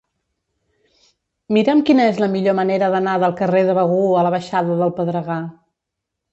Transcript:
Mira'm quina és la millor manera d'anar del carrer de Begur a la baixada del Pedregar.